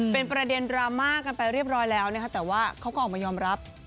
เป็นประเด็นดราม่ากันไปเรียบร้อยแล้วนะคะแต่ว่าเขาก็ออกมายอมรับ